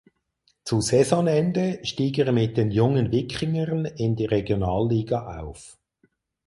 Zu Saisonende stieg er mit den Jungen Wikingern in die Regionalliga auf.